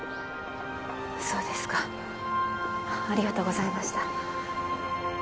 そうですかありがとうございました。